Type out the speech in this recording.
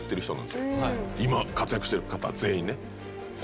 今活躍してる方全員ね。